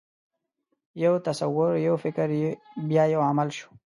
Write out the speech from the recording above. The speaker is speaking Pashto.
یو تصور، یو فکر، بیا یو عمل شو.